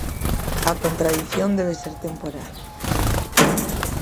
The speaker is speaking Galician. A contradición debe ser temporal.